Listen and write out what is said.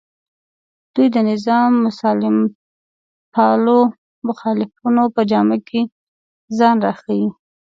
دوی د نظام د مسالمتپالو مخالفانو په جامه کې ځان راښیي